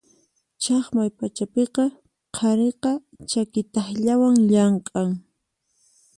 Chaqmay pachapiqa qhariqa chaki takllawan llamk'an.